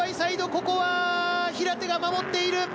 ここは平手が守っている！